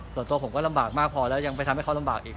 ส่วนตัวผมก็ลำบากมากพอแล้วยังไปทำให้เขาลำบากอีก